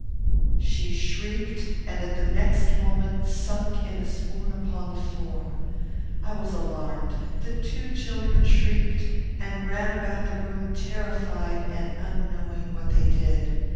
She shrieked; and, at the next moment, sunk in a swoon upon the floor. I was alarmed. The two children shrieked, and ran about the room terrified and unknowing what they did.